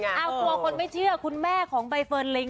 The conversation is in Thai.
เอาตัวคนไม่เชื่อคุณแม่ของใบเฟิร์นลิง